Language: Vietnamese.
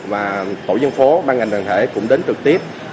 và tổ dân phố ban ngành đoàn thể cũng đến trực tiếp